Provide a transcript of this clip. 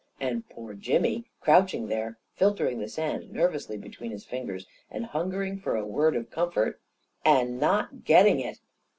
And poor Jimmy, crouch ing there, filtering the sand nervously between his fingers, and hungering for a word of comfort — and not getting it!